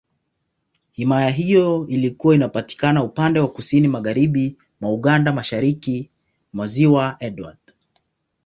Himaya hiyo ilikuwa inapatikana upande wa Kusini Magharibi mwa Uganda, Mashariki mwa Ziwa Edward.